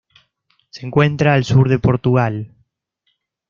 Se encuentra al sur de Portugal.